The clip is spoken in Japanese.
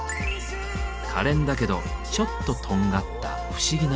かれんだけどちょっととんがった不思議な魅力。